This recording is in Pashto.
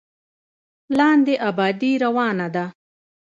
لاندې ابادي روانه ده.